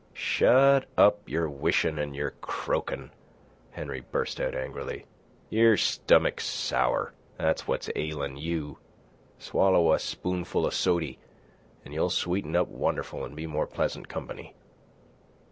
"Shut up your wishin' and your croakin'," Henry burst out angrily. "Your stomach's sour. That's what's ailin' you. Swallow a spoonful of sody, an' you'll sweeten up wonderful an' be more pleasant company."